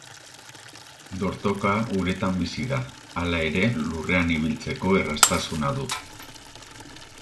Dortoka uretan bizi da, hala ere, lurrean ibiltzeko erraztasuna du.